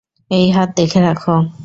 এই হাত দেখে রাখ।